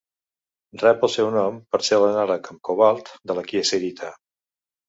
Rep el seu nom per ser l'anàleg amb cobalt de la kieserita.